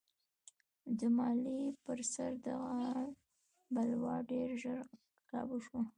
د مالیې پر سر دغه بلوا ډېر ژر کابو شوه.